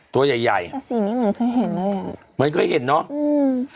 ตัวใหญ่แต่สีนี้มันเคยเห็นไหม